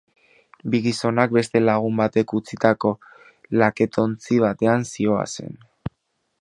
Bi gizonak beste lagun batek utzitako laketontzi batean zihoazen.